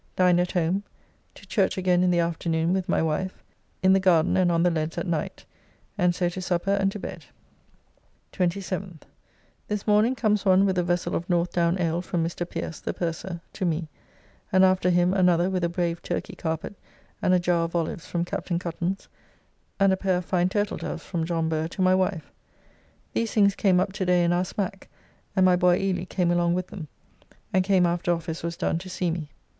Dined at home. To church again in the afternoon with my wife; in the garden and on the leads at night, and so to supper and to bed. 27th. This morning comes one with a vessel of Northdown ale from Mr. Pierce, the purser, to me, and after him another with a brave Turkey carpet and a jar of olives from Captain Cuttance, and a pair of fine turtle doves from John Burr to my wife. These things came up to day in our smack, and my boy Ely came along with them, and came after office was done to see me.